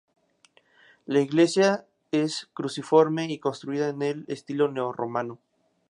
La iglesia es cruciforme y construida en el estilo neo-romano.